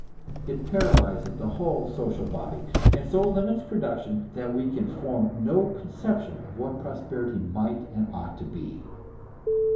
It paralyzes the whole social body, and so limits production that we can form no conception of what prosperity might and ought to be.